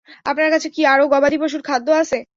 আপনার কাছে কী আরও গবাদি পশুর খাদ্য আছে?